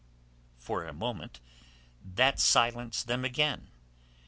For a moment that silenced them again.